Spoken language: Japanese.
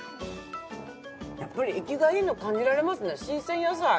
やっぱり生きがいいの感じられますね新鮮野菜！